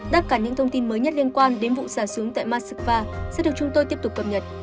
tất cả những thông tin mới nhất liên quan đến vụ giả sướng tại moskva sẽ được chúng tôi tiếp tục cập nhật